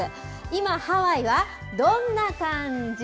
今ハワイは、どんな感じ？